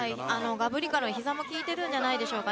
がぶりから、ひざも効いているんじゃないでしょうか。